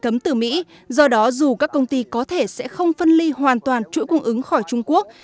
cấm từ mỹ do đó dù các công ty có thể sẽ không phân ly hoàn toàn chuỗi cung ứng khỏi trung quốc